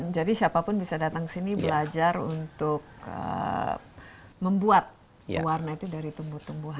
jadi siapapun bisa datang ke sini belajar untuk membuat pewarna itu dari tumbuh tumbuhan